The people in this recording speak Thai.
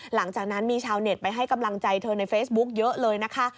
หลังจากนั้นมีชาวเน็ตไปให้กำลังใจเธอในเฟซบุ๊กเยอะเลยนะคะ